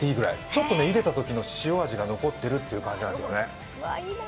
ちょっとゆでたときの塩味が残ってるって感じぐらいですね。